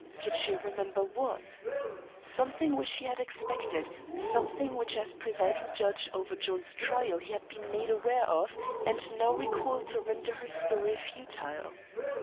Could she remember what? Something which he had expected; something which as presiding judge over John's trial he had been made aware of and now recalled to render her story futile.